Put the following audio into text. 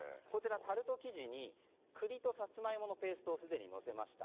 タルト生地に栗とサツマイモのペーストをのせました。